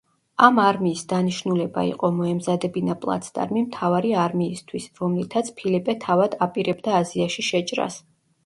ამ არმიის დანიშნულება იყო მოემზადებინა პლაცდარმი მთავარი არმიისთვის, რომლითაც ფილიპე თავად აპირებდა აზიაში შეჭრას.